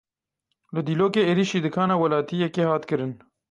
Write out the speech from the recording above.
Li Dîlokê êrişî dikana welatiyekê hat kirin.